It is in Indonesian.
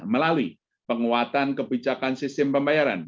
melalui penguatan kebijakan sistem pembayaran